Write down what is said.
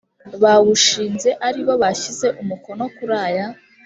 bawushinze aribo bashyize umukono kuri aya